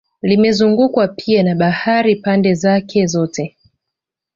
Limezungukwa pia na bahari pande zake zote